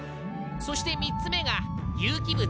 そして３つ目が有機物。